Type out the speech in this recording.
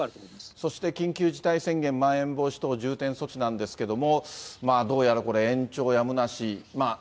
そして緊急事態宣言、まん延防止等重点措置なんですけれども、どうやらこれ延長やむなし。